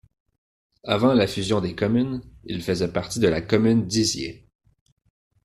Avant la fusion des communes, il faisait partie de la commune d'Izier.